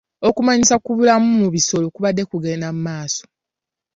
Okumanyisa ku bulamu mu bisolo kubadde kugenda mu maaso.